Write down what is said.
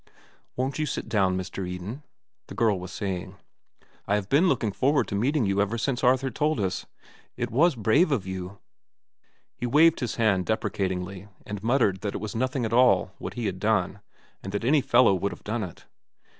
"Won't you sit down, Mr. Eden?" the girl was saying. "I have been looking forward to meeting you ever since Arthur told us. It was brave of you—" He waved his hand deprecatingly and muttered that it was nothing at all, what he had done, and that any fellow would have done it.